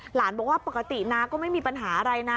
หลานบอกว่าปกติน้าก็ไม่มีปัญหาอะไรนะ